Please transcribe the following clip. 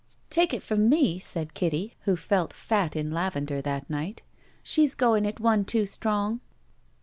''Take it from me," said Kitty, who felt fat in lavender that night, "she's going it one too strong."